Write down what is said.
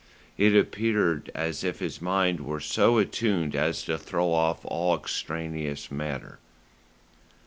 It appeared as if his mind were so attuned as to throw off all extraneous matter.